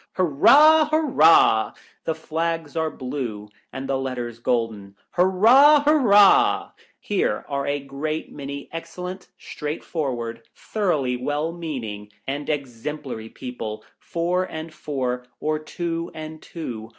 Hurrah ! hurrah ! The flags are blue and the letters golden. Hurrah ! hurrah ! Here are a great many excellent, straight forward, thoroughly well meaning, and ex emplary people, four and four, or two and two.